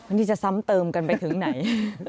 อันนี้จะซ้ำเติมกันไปถึงไหน